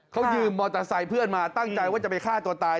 เขายืมมอเตอร์ไซค์เพื่อนมาตั้งใจว่าจะไปฆ่าตัวตาย